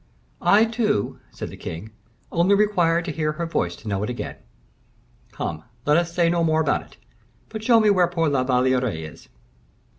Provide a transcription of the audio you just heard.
"I, too," said the king, "only require to hear her voice to know it again. Come, let us say no more about it, but show me where poor La Valliere is."